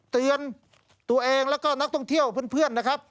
เตือนตัวเองแล้วก็นักท่องเที่ยวเพื่อนนะครับ